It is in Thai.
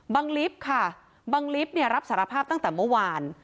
ลิฟต์ค่ะบังลิฟต์เนี่ยรับสารภาพตั้งแต่เมื่อวาน